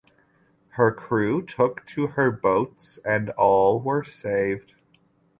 Her crew took to her boats and all were saved.